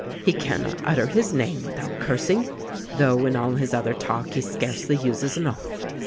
He cannot utter his name without curs ing — though in all his other talk he scarcely uses an oath.